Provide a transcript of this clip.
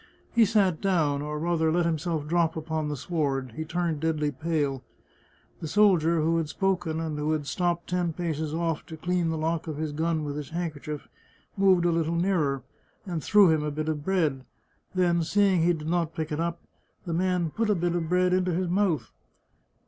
He sat down, or rather let himself drop upon the sward; he turned deadly pale. The soldier who had spoken, and who had stopped ten paces off to clean the lock of his gun with his handkerchief, moved a little nearer, and threw him a bit of bread; then, seeing he did not pick it up, the man put a bit of the bread into his mouth.